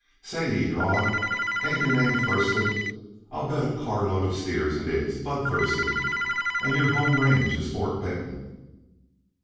"Say," he drawled, "ain't your name Thurston? I'll bet a carload uh steers it is Bud Thurston. And your home range is Fort Benton."